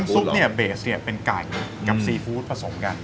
ซุ๊บเนี่ยเป็นไก่กับซีฟูดผสมกัน